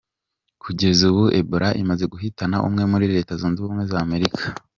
Kugeza ubu Ebola imaze guhitana umwe muri Leta zunze Ubumwe za Amerika.